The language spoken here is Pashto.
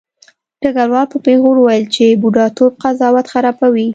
ډګروال په پیغور وویل چې بوډاتوب قضاوت خرابوي